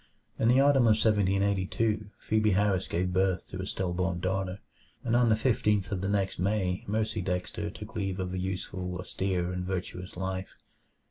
In the autumn of 1782 Phebe Harris gave birth to a still born daughter, and on the fifteenth of the next May Mercy Dexter took leave of a useful, austere, and virtuous life.